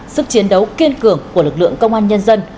sức chiến đấu kiên cường của lực lượng công an nhân dân